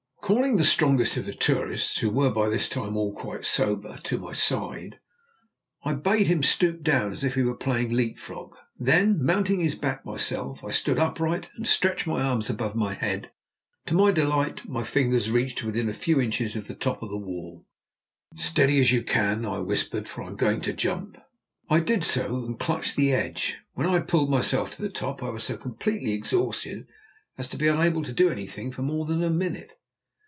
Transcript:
Calling the strongest of the tourists, who were by this time all quite sober, to my side, I bade him stoop down as if he were playing leap frog; then, mounting his back myself, I stood upright, and stretched my arms above my head. To my delight my fingers reached to within a few inches of the top of the wall. "Stand as steady as you can," I whispered, "for I'm going to jump." I did so, and clutched the edge. When I had pulled myself to the top I was so completely exhausted as to be unable to do anything for more than a minute.